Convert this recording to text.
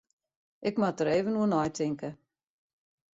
Ik moat der even oer neitinke.